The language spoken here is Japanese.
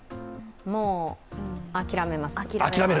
もう、諦めます。